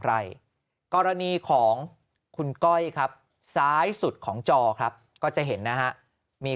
อะไรกรณีของคุณก้อยครับซ้ายสุดของจอครับก็จะเห็นนะฮะมี